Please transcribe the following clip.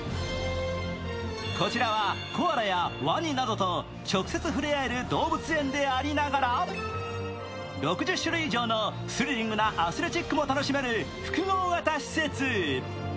こちらはコアラやわになどと直接触れ合える動物園でありながら６０種類以上のスリリングなアスレチックも楽しめる複合型施設。